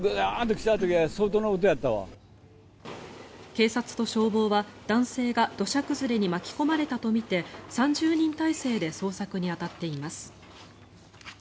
警察と消防は、男性が土砂崩れに巻き込まれたとみて３０人態勢で捜索に当たっています。